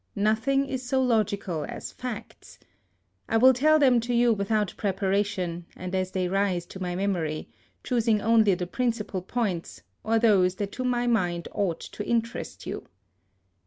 Nothing is so logical as facts. I wiU tell THE SUEZ OANAL. 3 them to you without preparation, and as they rise to my memory ; choosing only the principal points, or those that to my mind ought to interest you.